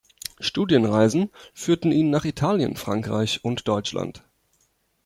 Studienreisen führten ihn nach Italien, Frankreich und Deutschland.